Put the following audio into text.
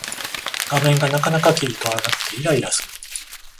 画面がなかなか切り替わらなくてイライラする